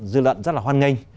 dư luận rất là hoan nghênh